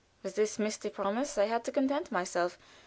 With this misty promise I had to content myself.